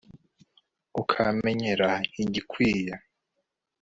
ukamenyera igikwiye